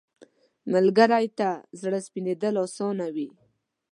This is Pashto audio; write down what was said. ملګری ته زړه سپینېدل اسانه وي